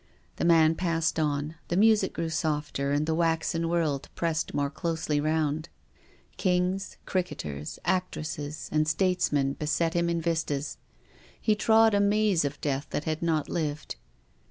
The man passed on, the music grew softer and the waxen world pressed more closely round. Kings, cricketers, actresses, and statesmen beset him in vistas. He trod a maze of death that had not lived.